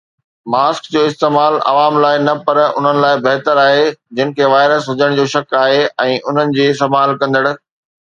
mask جو استعمال عوام لاءِ نه پر انهن لاءِ بهتر آهي جن کي وائرس هجڻ جو شڪ آهي ۽ انهن جي سنڀال ڪندڙ